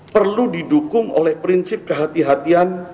perlu didukung oleh prinsip kehatian